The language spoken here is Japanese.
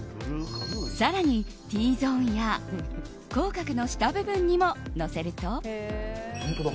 更にＴゾーンや口角の下部分にものせると。